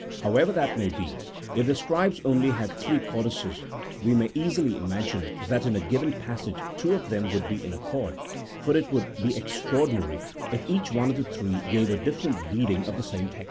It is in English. However that may be, if the scribes only had three codices we may easily imagine that in a given passage two of them would be in accord, for it would be extraordinary if each one of the three gave a different reading of the same text.